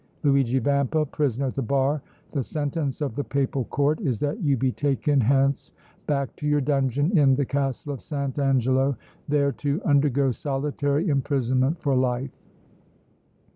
Luigi Vampa, prisoner at the bar, the sentence of the Papal Court is that you be taken hence back to your dungeon in the Castle of St. Angelo, there to undergo solitary imprisonment for life.